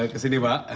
ke sini pak